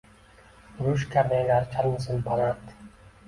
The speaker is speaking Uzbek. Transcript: Urush karnaylari chalinsin baland.